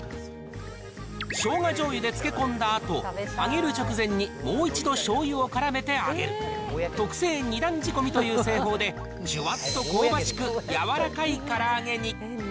しょうがじょうゆで漬け込んだあと、揚げる直前にもう一度しょうゆをからめて揚げる、特製２段仕込みという製法で、じゅわっと香ばしく柔らかいから揚げに。